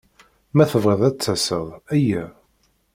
Ma tebɣiḍ ad d-taseḍ, yya.